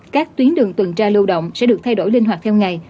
các tuyến đường tuần tra lưu động sẽ được thay đổi linh hoạt theo ngày